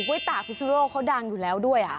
กล้วยตากที่สุดโลกเขาดังอยู่แล้วด้วย